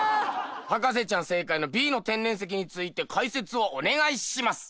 博士ちゃん正解のＢの天然石について解説をお願いします。